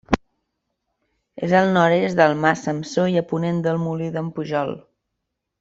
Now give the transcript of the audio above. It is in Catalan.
És al nord-est del Mas Samsó i a ponent del Molí d'en Pujol.